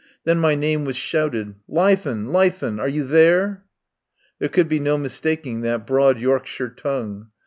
Then my name was shouted: "Leithen! Leithen! Are you there?" There could be no mistaking that broad Yorkshire tongue.